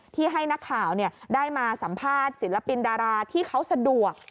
ที่ให้นักข่าวได้มาสัมภาษณ์ศิลปินดาราที่เขาสะดวก